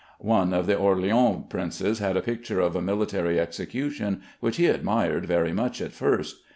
One of the Orleans princes had a picture of a military execution, which he admired very much at first.